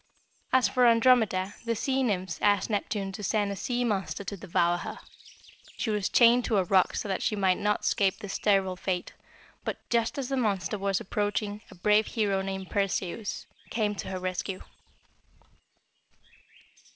] "As for Andromeda, the sea nymphs asked Neptune to send a sea monster to devour her. She was chained to a rock so that she might not escape this terrible fate; but just as the monster was approaching a brave hero named Perseus came to her rescue. [Illustration: THE FAIR ANDROMEDE.